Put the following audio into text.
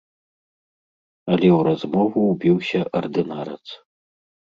Але ў размову ўбіўся ардынарац.